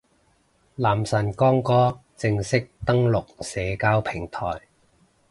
男神光哥正式登陸社交平台